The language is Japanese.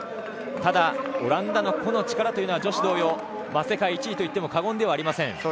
ただオランダの個の力というのは女子同様、世界一といっても過言ではありません。